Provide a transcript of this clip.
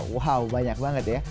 wow banyak banget ya